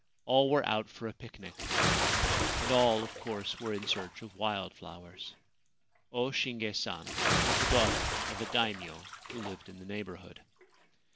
All were out for a picnic, and all, of course, were in search of wild flowers. O Shinge San was the daughter of a Daimio who lived in the neighbourhood.